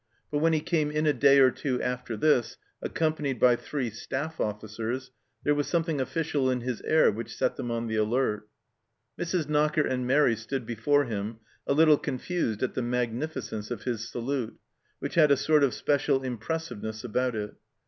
But when he came in a day or two after this, accompanied by three staff officers, there was something official in his air which set them on the alert. Mrs. Knocker and Mairi stood before him, a little confused at the magnificence of his salute, which had a sort of special impressiveness about it.